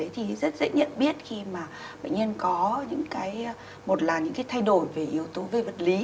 thì rất dễ nhận biết khi bệnh nhân có những thay đổi về yếu tố về vật lý